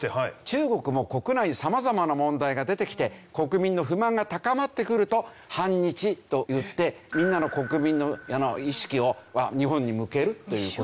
中国も国内様々な問題が出てきて国民の不満が高まってくると反日といってみんなの国民の意識を日本に向けるという事。